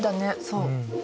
そう。